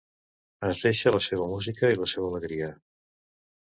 Ens deixa la seua música i la seua alegria.